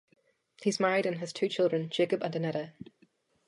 He is married and has two children - Jakub and Aneta.